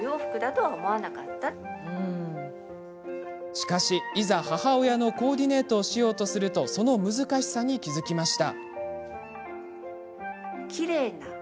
しかし、いざ母親のコーディネートをしようとするとその難しさに気付きました。